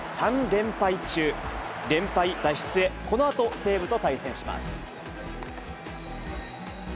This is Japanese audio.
連敗脱出へ、このあと西武と対戦します。